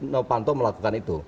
nopanto melakukan itu